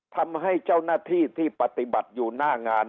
ทำให้เจ้าหน้าที่ที่ปฏิบัติอยู่หน้างาน